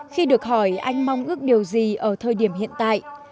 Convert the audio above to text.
khi được hỏi anh mong ước điều gì ở thời điểm hiện tại